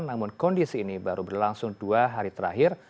namun kondisi ini baru berlangsung dua hari terakhir